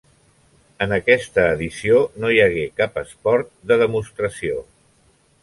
En aquesta edició no hi hagué cap esport de demostració.